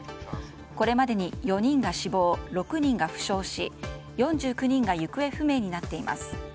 これまでに４人が死亡、６人が負傷し４９人が行方不明になっています。